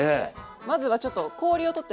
まずはちょっと氷を取ってまいります。